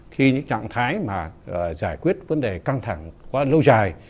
khi những trạng thái mà giải quyết vấn đề căng thẳng quá lâu dài